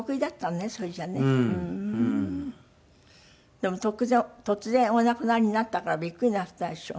でも突然お亡くなりになったからびっくりなすったでしょ。